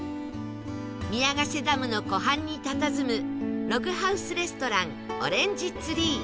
宮ヶ瀬ダムの湖畔に佇むログハウスレストランオレンジツリー